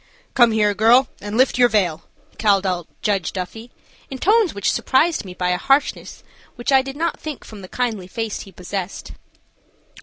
"Come here, girl, and lift your veil," called out Judge Duffy, in tones which surprised me by a harshness which I did not think from the kindly face he possessed.